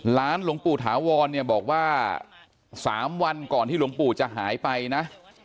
หลวงปู่ถาวรเนี่ยบอกว่า๓วันก่อนที่หลวงปู่จะหายไปนะ